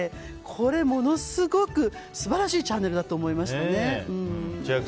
これ、ものすごく素晴らしいチャンネルだと思いますね。